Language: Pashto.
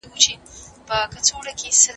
آیا ته به زما په نوي کور کې مېلمه شې؟